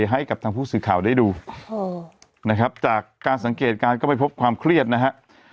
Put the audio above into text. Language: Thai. ให้กับทางผู้สื่อข่าวได้ดูจากการสังเกตการก็ไปพบความเครียดนะฮะ